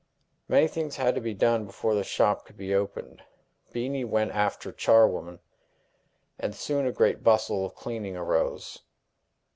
Many things had to be done before the shop could be opened. Beenie went after charwomen, and soon a great bustle of cleaning arose.